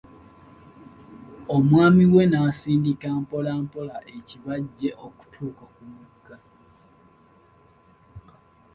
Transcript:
Omwami we n'asindika mpola mpola ekibajje okutuuka ku mugga.